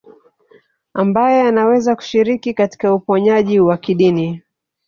Ambaye anaweza kushiriki katika uponyaji wa kidini